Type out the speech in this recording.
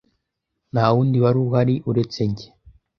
Nta wundi wari uhari uretse njye.